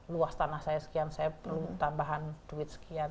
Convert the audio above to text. luas tanah saya sekian saya perlu tambahan duit sekian